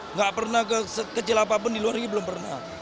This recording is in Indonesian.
nggak pernah kecil apapun di luar negeri belum pernah